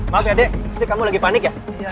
maaf ya dek pasti kamu lagi panik ya